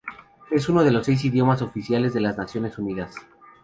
Es uno de los seis idiomas oficiales de las Naciones Unidas.